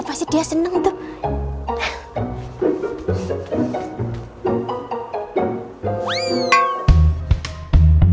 pasti dia seneng tuh